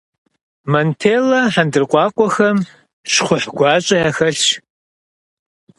Монтеллэ хьэндыркъуакъуэхэм щхъухь гуащӏэ яхэлъщ.